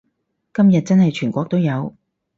今日真係全國都有